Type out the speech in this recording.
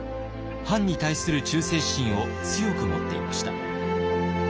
藩に対する忠誠心を強く持っていました。